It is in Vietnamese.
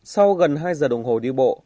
sau gần hai giờ đồng hồ đi bộ